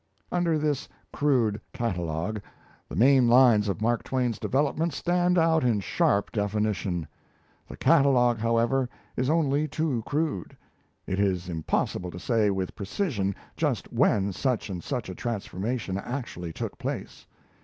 Under this crude catalogue, the main lines of Mark Twain's development stand out in sharp definition. The catalogue, however, is only too crude it is impossible to say with precision just when such and such a transformation actually took place.